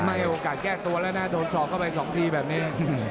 ไม่ออกหกานแก้กตัวแล้วนะโดนซอ์เข้าไปสองทีแบบนี้